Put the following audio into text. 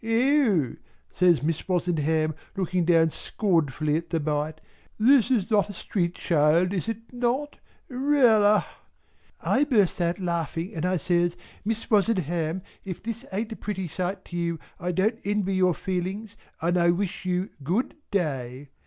"O!" says Miss Wozenham looking down scornfully at the Mite "this is not a street child is it not! Really!" I bursts out laughing and I says "Miss Wozenham if this ain't a pretty sight to you I don't envy your feelings and I wish you good day.